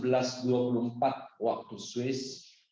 pada sekitar pukul sebelas dua puluh empat waktu swiss